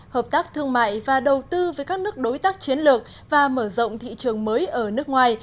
hợp tác thương mại và đầu tư với các nước đối tác chiến lược và mở rộng thị trường mới ở nước ngoài